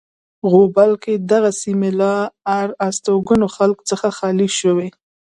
غوبل کې دغه سیمې له آر استوګنو خلکو څخه خالی شوې.